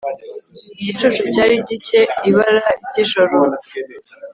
Igicucu cyari gike ibara ryijoro